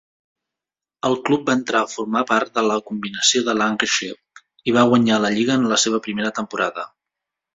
El club va entrar a formar part de la combinació de Lancashire, i va guanyar la lliga en la seva primera temporada.